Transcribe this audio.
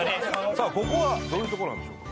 さあここはどういう所なんでしょうか？